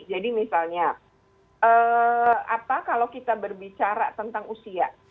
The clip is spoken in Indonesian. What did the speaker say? jadi misalnya apa kalau kita berbicara tentang usia